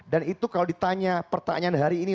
dan itu kalau ditanya pertanyaan hari ini